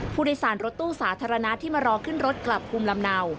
ผู้โดยสารรถตู้สาธารณะที่มารอขึ้นรถกลับภูมิลำเนา